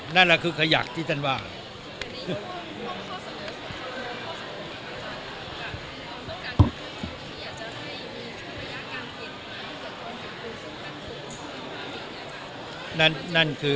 นั่นแหละคือขยักที่ท่านว่า